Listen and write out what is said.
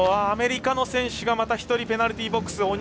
アメリカの選手がまた１人ペナルティーボックス。